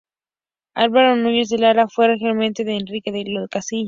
Álvaro Núñez de Lara fue regente de Enrique I de Castilla.